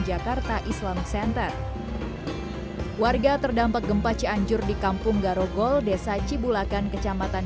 jakarta islam center warga terdampak gempa cianjur di kampung garogol desa cibulakan kecamatan